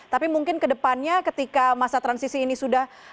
tapi mungkin kedepannya ketika masa transisi ini sudah